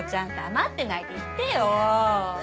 黙ってないで言ってよ。